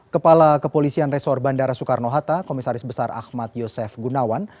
kepala kepolisian resor bandara soekarno hatta komisaris besar ahmad yosef gunawan